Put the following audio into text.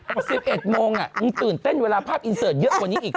พอ๑๑โมงยังตื่นเต้นเวลาภาพอินเสิร์ตเยอะกว่านี้อีก